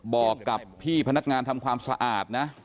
บอกกับพี่พนักงานทำความสะอาดนะ